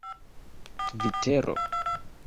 tvitero